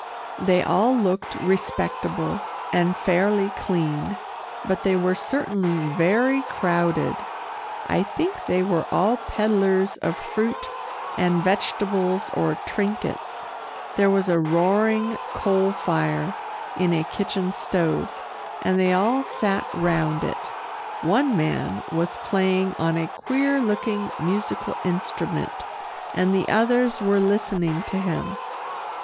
They all looked respectable and fairly clean, but they were certainly very crowded. I think they were all peddlers of fruit and vegetables or trinkets. There was a roaring coal fire in a kitchen stove, and they all sat round it. One man was playing on a queer looking musical instrument, and the others were listening to him.